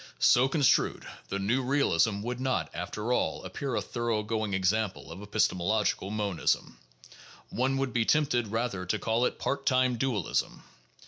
So con strued, the new realism would not, after all, appear a thoroughgo ing example of epistemological monism ; one would be tempted rather to call it part time dualism.